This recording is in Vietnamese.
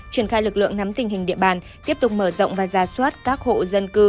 triển khai lực lượng nắm tình hình địa bàn tiếp tục mở rộng và ra soát các hộ dân cư